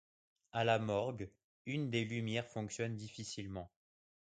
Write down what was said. À la morgue, une des lumières fonctionne difficilement.